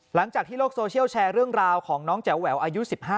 หลังจากที่โลกโซเชียลแชร์เรื่องราวของน้องแจ๋วแหววอายุ๑๕